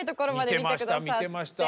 見てました。